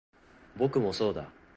僕もそうだ